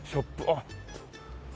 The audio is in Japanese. あっ！